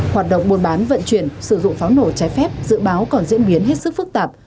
hoạt động buôn bán vận chuyển sử dụng pháo nổ trái phép dự báo còn diễn biến hết sức phức tạp